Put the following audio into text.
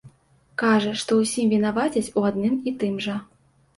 Кажа, што ўсім вінавацяць у адным і тым жа.